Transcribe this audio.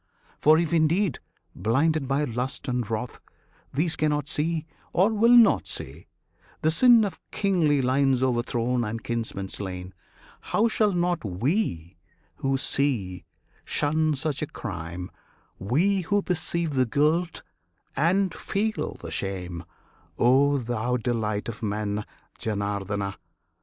For if indeed, blinded by lust and wrath, These cannot see, or will not see, the sin Of kingly lines o'erthrown and kinsmen slain, How should not we, who see, shun such a crime We who perceive the guilt and feel the shame O thou Delight of Men, Janardana?